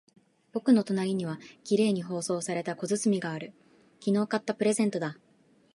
僕の隣には綺麗に包装された小包がある。昨日買ったプレゼントだ。